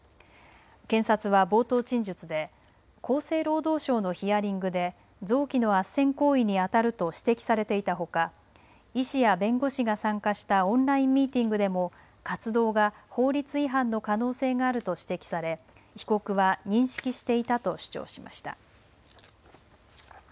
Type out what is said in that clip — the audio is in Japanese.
検察は冒頭陳述で厚生労働省のヒアリングで臓器のあっせん行為にあたると指摘されていたほか医師や弁護士が参加したオンラインミーティングでも活動が法律違反の可能性があると指摘され、被告は認識していたと主張しました。